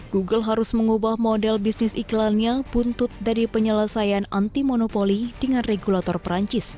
google harus mengubah model bisnis iklannya buntut dari penyelesaian anti monopoli dengan regulator perancis